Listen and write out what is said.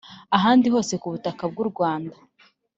ahandi hose ku butaka bw u Rwanda